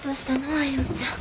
歩ちゃん。